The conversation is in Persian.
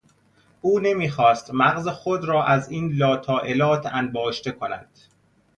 او نمیخواست مغز خود را از این لاطایلات انباشته کند.